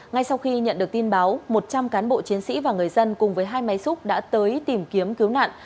ngay sau khi nhận được tin báo một trăm linh cán bộ chiến sĩ và người dân cùng với hai máy xúc đã tới tìm kiếm cứu nạn